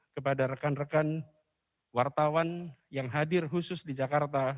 kepada rekan rekan wartawan yang hadir khusus di jakarta